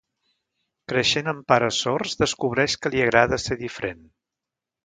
Creixent amb pares sords, descobreix que li agrada ser diferent.